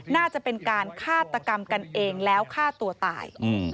น่าจะเป็นการฆาตกรรมกันเองแล้วฆ่าตัวตาย